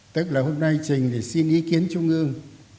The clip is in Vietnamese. tức là hôm nay trình thì xin ý kiến trung ương